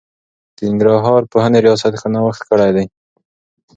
د ننګرهار پوهنې رياست ښه نوښت کړی دی.